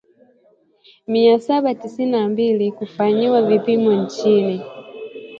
mia saba tisini na mbili kufanyiwa vipimo nchini